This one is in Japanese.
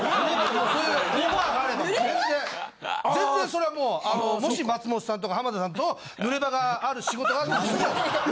全然それはもうあのもし松本さんとか浜田さんと濡れ場がある仕事があったとしても。